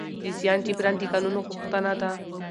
د زیان جبران د قانون غوښتنه ده.